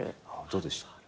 どうでした？